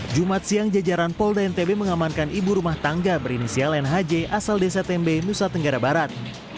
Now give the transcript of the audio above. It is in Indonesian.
jumat siang jajaran polda ntb mengamankan ibu rumah tangga berinisial nhj asal desa tembe nusa tenggara barat